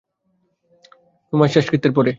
তোমার শেষকৃত্যের পরে।